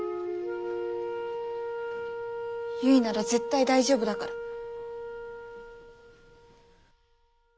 結なら絶対大丈夫だから。